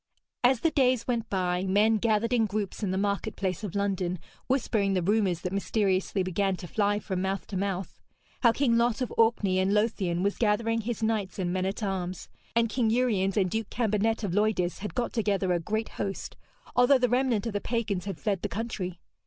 As the days went by, men gathered in groups in the market place of London, whispering the rumours that mysteriously began to fly from mouth to mouth, how King Lot of Orkney and Lothian was gathering his knights and men at arms; and King Uriens and Duke Cambenet of Loidis had got together a great host, although the remnant of the pagans had fled the country.